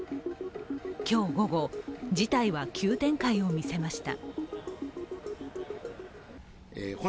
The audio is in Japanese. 今日午後、事態は急展開を見せました。